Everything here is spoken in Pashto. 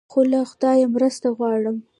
خو له خدایه مرسته غواړم.